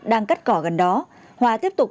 đang cắt cỏ gần đó hòa tiếp tục